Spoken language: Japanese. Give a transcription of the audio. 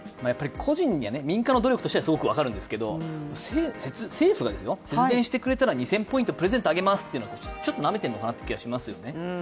個人、民間の努力としてはすごくよく分かるんですが政府が節電してくれた２０００ポイントプレゼントあげますっていうのはちょっとなめているのかなという気がしますよね。